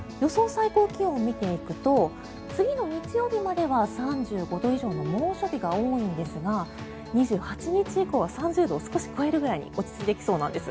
最高気温を見ていくと次の日曜日までは３５度以上の猛暑日が多いんですが２８日以降は３０度を少し超えるぐらいに落ち着いてきそうなんです。